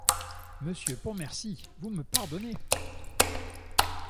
Monsieur Pontmercy, vous me pardonnez!